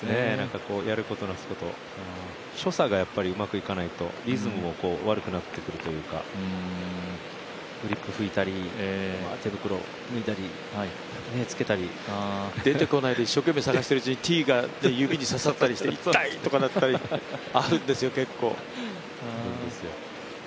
やることなすこと、所作がうまくいかないと、リズムも悪くなってくるというか、グリップ拭いたり手袋脱いだり着けたり、出てこないで、一生懸命探しているうちに、ティーが刺さって痛い！とかなったりしてあるんですよ、結構。